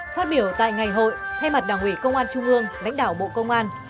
phát biểu tại ngày hội thay mặt đảng ủy công an trung ương lãnh đạo bộ công an